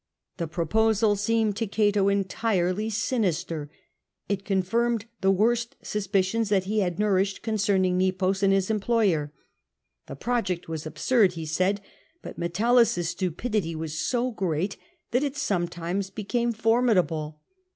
The proposal seemed to Oato entirely sinister ; it confirmed the worst suspicions that he had nourished concerning Nepos and his employei'. ''The project was absurd," he said, "but Metellus's stupidity was so great that it sometimes became formidable."